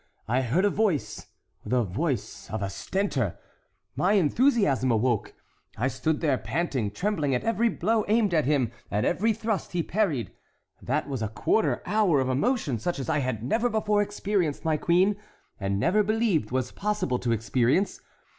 I heard a voice—the voice of a Stentor. My enthusiasm awoke—I stood there panting, trembling at every blow aimed at him, at every thrust he parried! That was a quarter hour of emotion such as I had never before experienced, my queen; and never believed was possible to experience.